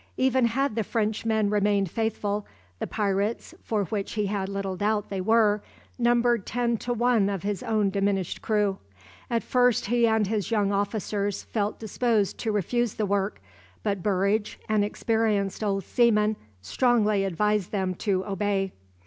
Even had the Frenchmen remained faithful, the pirates, for such he had little doubt they were, numbered ten to one of his own diminished crew. At first he and his young officers felt disposed to refuse to work, but Burridge, an experienced old seaman, strongly advised them to obey.